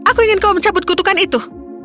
aku ingin kau mencabut kutukan itu